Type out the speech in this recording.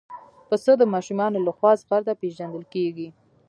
پسه د ماشومانو لخوا زغرده پېژندل کېږي.